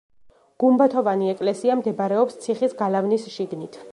გუმბათოვანი ეკლესია მდებარეობს ციხის გალავნის შიგნით.